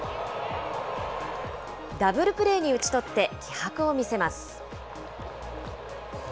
ダブルプレーに打ち取って、気迫を見せます。